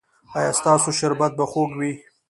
ایا ستاسو شربت به خوږ وي؟